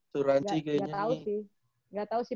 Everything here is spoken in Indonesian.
turanci kayaknya gak tau sih gak tau sih